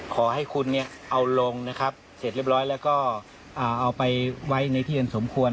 ขอให้คุณเอาลงนะครับเสร็จเรียบร้อยแล้วก็เอาไปไว้ในที่อันสมควร